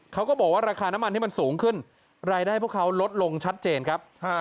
เขาก็บอกว่าราคาน้ำมันที่มันสูงขึ้นรายได้พวกเขาลดลงชัดเจนครับ